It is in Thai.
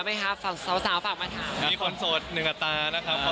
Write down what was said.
มีคนสด๑กับตามีคนสดมานานมาก